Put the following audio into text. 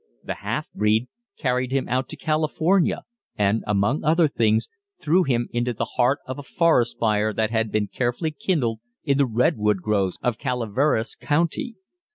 "The Half Breed" carried him out to California, and, among other things, threw him into the heart of a forest fire that had been carefully kindled in the redwood groves of Calaveras County.